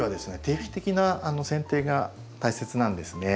定期的なせん定が大切なんですね。